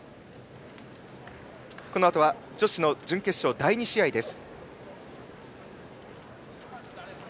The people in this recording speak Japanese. このあとは女子の準決勝第２試合です。